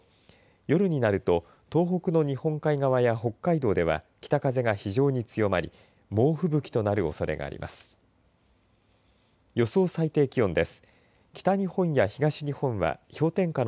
夜になると東北の日本海側や北海道では北風が非常に強まり猛吹雪となるおそれがあります。